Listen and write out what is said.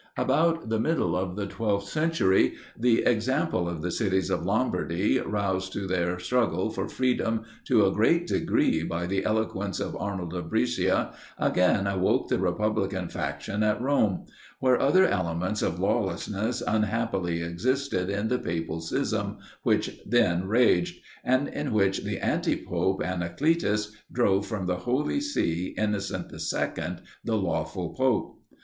About the middle of the 12th century, the example of the cities of Lombardy, roused to their struggle for freedom to a great degree by the eloquence of Arnold of Brescia, again awoke the republican faction at Rome; where other elements of lawlessness unhappily existed in the papal schism which then raged, and in which the anti pope Anacletus drove from the Holy See Innocent II., the lawful pope.